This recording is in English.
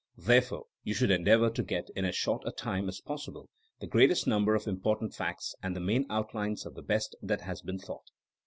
Therefore you should endeavor to get, in as short a time as possible, the greatest number of important facts and the main outlines of the best that has been thought.